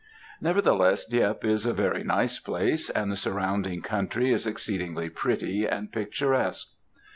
Nevertheless, Dieppe is a very nice place and the surrounding country is exceedingly pretty and picturesque.